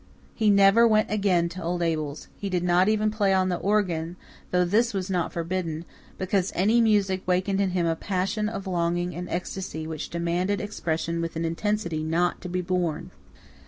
He never went again to old Abel's; he did not even play on the organ, though this was not forbidden, because any music wakened in him a passion of longing and ecstasy which demanded expression with an intensity not to be borne.